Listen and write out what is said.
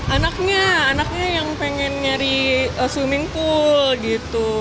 anaknya anaknya yang pengen nyari swimming pool gitu